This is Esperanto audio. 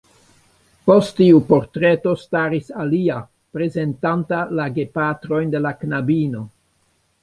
Post tiu portreto staris alia, prezentanta la gepatrojn de la knabino.